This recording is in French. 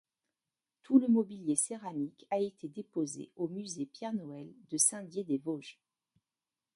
Tout le mobilier céramique a été déposé au musée Pierre-Noël de Saint-Dié-des-Vosges.